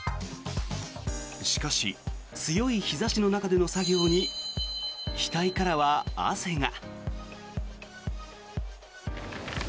しかし強い日差しの中での作業に額からは汗が。